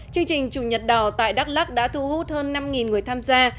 chương trình chủ nhật đỏ tại đắk lắc đã thu hút hơn năm người tham gia